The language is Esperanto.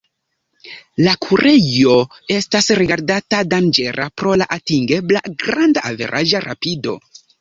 La kurejo estas rigardata danĝera pro la atingebla granda averaĝa rapido.